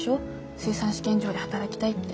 水産試験場で働きたいって。